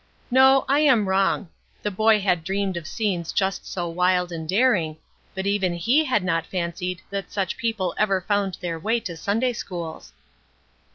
No, I am wrong; the boy had dreamed of scenes just so wild and daring, but even he had not fancied that such people ever found their way to Sunday schools.